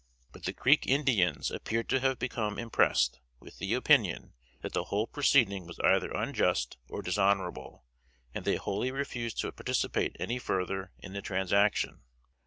But the Creek Indians appear to have become impressed with the opinion, that the whole proceeding was either unjust or dishonorable, and they wholly refused to participate any further in the transaction.